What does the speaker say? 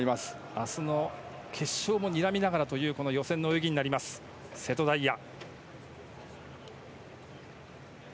明日の決勝もにらみながらというこの予選の泳ぎになります瀬戸大也。